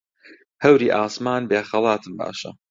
هەوری ئاسمان بێ خەڵاتم باشە